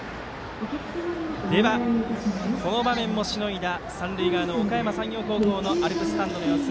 では、この場面もしのいだ三塁側のおかやま山陽高校のアルプススタンドの様子